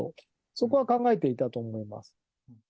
そこは考えていたと思います。